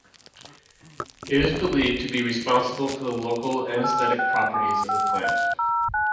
It is believed to be responsible for the local anesthetic properties of the plant.